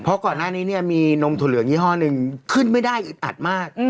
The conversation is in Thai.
แต่ตอนหน้านี้มีนมถั่วเหลืองยี่ห้อหนึ่งขึ้นไม่ได้อิดอัดมาก